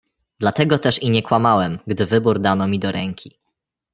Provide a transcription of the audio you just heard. "„Dla tego też i nie kłamałem, gdy wybór dano mi do ręki."